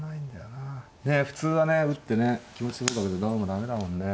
ねえ普通はね打ってね気もするんだけどどうも駄目だもんね。